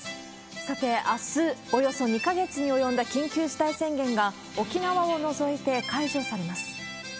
さて、あす、およそ２か月に及んだ緊急事態宣言が沖縄を除いて解除されます。